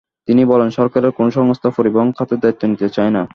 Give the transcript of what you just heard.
তিনি বলেন, সরকারের কোনো সংস্থা পরিবহন খাতের দায়িত্ব নিতে চায় না।